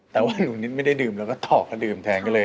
แต่ว่าหนูนิดไม่ได้ดื่มแล้วก็ถอดก็ดื่มแทนก็เลย